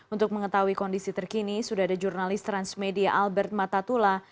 untuk mengetahui kondisi terkini sudah ada jurnalis transmedia albert matatula